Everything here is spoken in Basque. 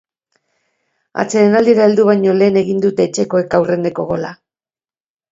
Atsedenaldira heldu baino lehen egin dute etxekoek aurreneko gola.